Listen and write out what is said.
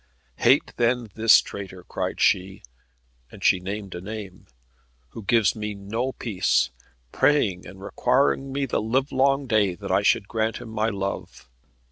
"Hate then this traitor," cried she, and she named a name "who gives me no peace, praying and requiring me the livelong day that I should grant him my love.